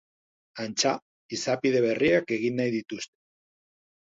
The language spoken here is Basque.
Antza, izapide berriak egin nahi dituzte.